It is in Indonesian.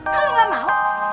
kalau gak mau